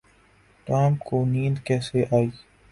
Tom کو نیند کیسی ائی؟